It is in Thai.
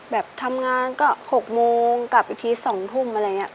แบบทำงานก็๖โมงกลับอีกที๒ทุ่มอะไรอย่างนี้